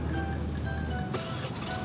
tidak ada yang bisa dihukum